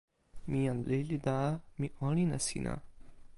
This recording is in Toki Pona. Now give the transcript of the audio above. mi jan lili la mi olin e sina.